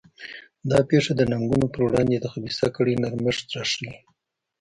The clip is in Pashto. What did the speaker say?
دا پېښه د ننګونو پر وړاندې د خبیثه کړۍ نرمښت راښيي.